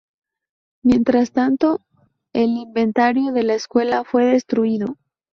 Mientras tanto, el inventario de la escuela fue destruido.